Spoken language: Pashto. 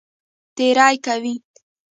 تېری کوي.